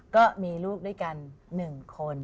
ก็มีลูกด้วยกัน๑คน